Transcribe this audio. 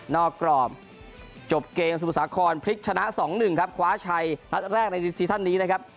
กรอบจบเกมสมุทรสาครพลิกชนะ๒๑ครับคว้าชัยนัดแรกในซีซั่นนี้นะครับ